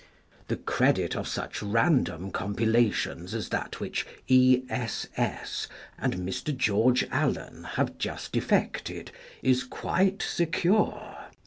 The credit of such random com pilations as that which " E. S. S." and Mr. George Allen have just effected is quite se cure.